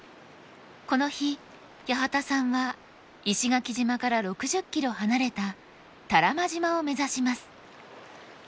この日八幡さんは石垣島から６０ｋｍ離れた多良間島を目指します。